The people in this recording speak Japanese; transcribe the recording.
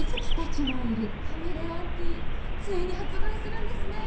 カメレオンティーついに発売するんですね。